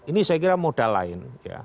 ini saya kira modal lain